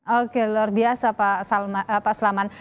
oke luar biasa pak selamat